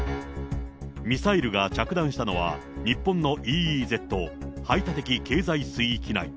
ミサイルが着弾したのは、日本のＥＥＺ・排他的経済水域内。